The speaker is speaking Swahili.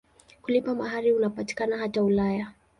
Kulipa mahari unapatikana hata Ulaya.